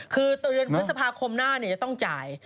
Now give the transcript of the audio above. คือตัวเดือนพฤษภาคมหน้าจะต้องจ่าย